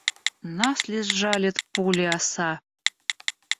Нас ли сжалит пули оса?